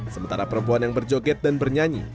sementara perempuan yang berjoget dan bernyanyi